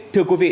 thưa quý vị